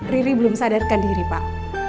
riri belum sadarkan diri pak